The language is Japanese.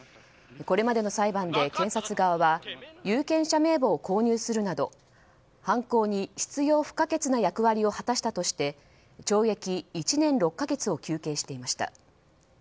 これまでの裁判で検察側は有権者名簿を購入するなど犯行に必要不可欠な役割を果たしたとして懲役１年６か月を求刑していました。